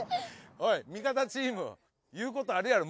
おい味方チーム言うことあるやろ。